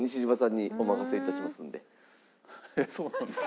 えっそうなんですか？